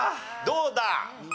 どうだ？